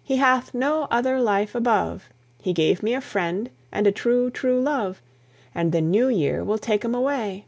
He hath no other life above. He gave me a friend, and a true true love, And the New year will take 'em away.